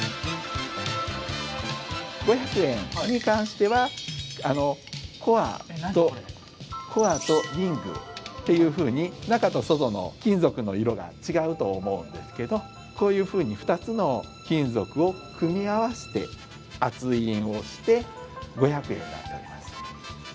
五百円に関してはコアとコアとリングっていうふうに中と外の金属の色が違うと思うんですけどこういうふうに２つの金属を組み合わせて圧印をして五百円になっております。